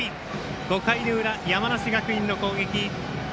５回の裏、山梨学院の攻撃。